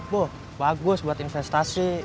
boh bagus buat investasi